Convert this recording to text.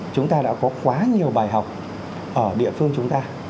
chúng ta đã có quá nhiều bài học ở địa phương chúng ta